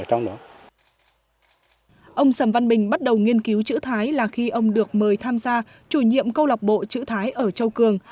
ông sầm văn bình bắt đầu nghiên cứu chữ thái là khi ông được mời tham gia chủ nhiệm câu lọc bộ chữ thái ở châu cường